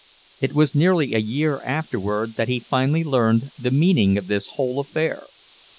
It was nearly a year afterward that he finally learned the meaning of this whole affair.